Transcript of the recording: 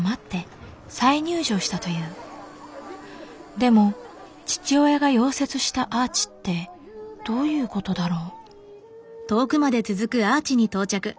でも父親が溶接したアーチってどういうことだろう。